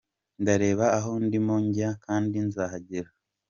Ndareba aho ndimo njya kandi nzahagera.